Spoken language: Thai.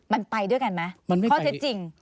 มันไปด้วยกันไหมข้อเท็จจริง